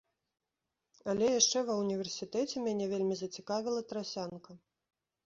Але яшчэ ва ўніверсітэце мяне вельмі зацікавіла трасянка.